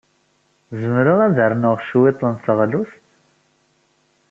Zemreɣ ad rnuɣ cwiṭ n teɣlust?